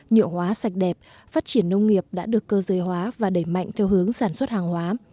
nhựa hóa sạch đẹp phát triển nông nghiệp đã được cơ giới hóa và đẩy mạnh theo hướng sản xuất hàng hóa